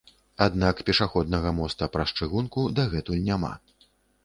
Аднак, пешаходнага моста праз чыгунку дагэтуль няма.